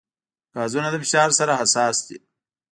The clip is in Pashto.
ګازونه د فشار سره حساس دي.